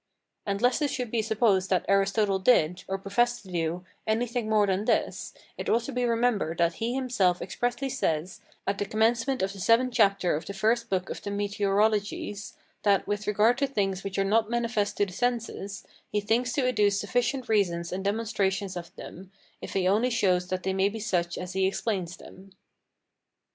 ] And lest it should be supposed that Aristotle did, or professed to do, anything more than this, it ought to be remembered that he himself expressly says, at the commencement of the seventh chapter of the first book of the Meteorologies, that, with regard to things which are not manifest to the senses, he thinks to adduce sufficient reasons and demonstrations of them, if he only shows that they may be such as he explains them.